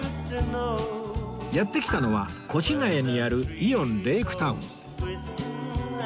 やって来たのは越谷にあるイオンレイクタウン